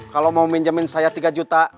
kalau mau minjemin saya tiga juta